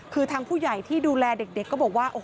คือทางผู้ใหญ่ที่ดูแลเด็กก็บอกว่า